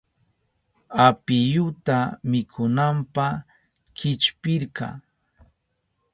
Apiyuta mikunanpa chillpirka.